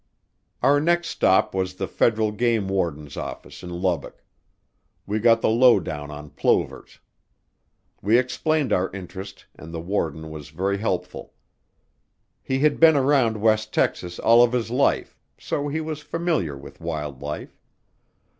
Our next stop was the federal game warden's office in Lubbock. We got the low down on plovers. We explained our interest and the warden was very helpful. He had been around west Texas all of his life so he was familiar with wildlife.